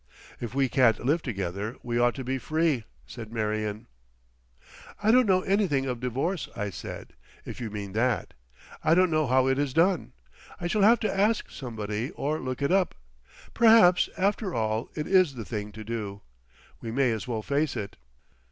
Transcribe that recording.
"If we can't live together we ought to be free," said Marion. "I don't know anything of divorce," I said—"if you mean that. I don't know how it is done. I shall have to ask somebody—or look it up.... Perhaps, after all, it is the thing to do. We may as well face it."